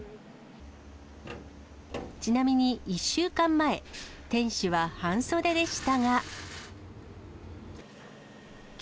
ちなみに１週間前、店主は半袖でしたが。